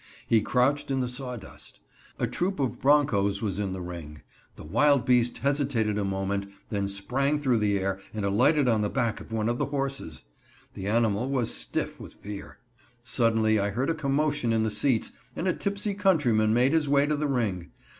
He crouched in the sawdust. A troupe of bronchos was in the ring. The wild beast hesitated a moment, then sprang through the air, and alighted on the back of one of the horses. The animal was stiff with fear. Suddenly I heard a commotion in the seats, and a tipsy countryman made his way to the ring.